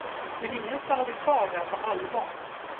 Men ingen stannade där på allvar.